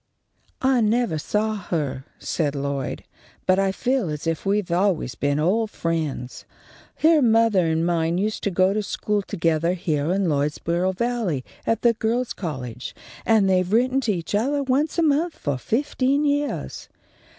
_ "I nevah saw her," said Lloyd, "but I feel as if we had always been old friends. Her mothah and mine used to go to school togethah heah in Lloydsboro Valley at the Girls' College, and they've written to each othah once a month for fifteen yeahs.